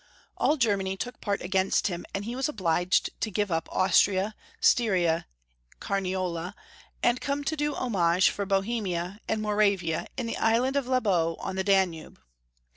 All Germany took part against him, and he was obliged to give up Austria, Styria, and Carniola, and come to do homage for Bohemia and Moravia in the island of Labau on the Danube.